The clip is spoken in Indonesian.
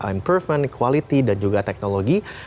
improvement quality dan juga teknologi